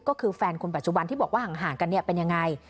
ก็คือแฟนคนปัจจุบันที่บอกว่าห่างกันเป็นยังไง